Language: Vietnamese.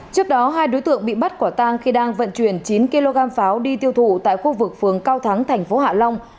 trước đó hai đối tượng bị bắt quả tang khi đang vận chuyển chín kg pháo đi tiêu thụ tại khu vực phường cao thắng thành phố hạ long